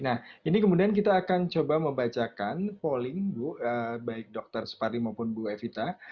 nah ini kemudian kita akan coba membacakan polling baik dokter sparling maupun bu evita